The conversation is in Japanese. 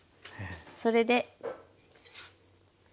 それで。